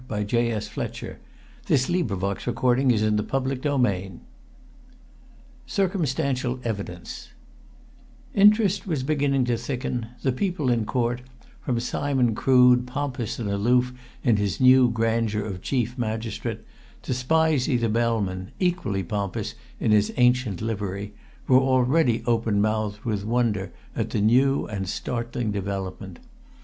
"Great Scott!" he whispered. "Wellesley's housemaid!" CHAPTER XII CIRCUMSTANTIAL EVIDENCE Interest was beginning to thicken: the people in court, from Simon Crood, pompous and aloof in his new grandeur of chief magistrate, to Spizey the bellman, equally pompous in his ancient livery, were already open mouthed with wonder at the new and startling development.